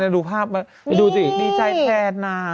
หรอดูภาพมาดูสินี่มีใจแทนนะ